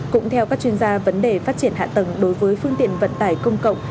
cũng theo các chuyên gia vấn đề phát triển hạ tầng đối với phương tiện vận tải công cộng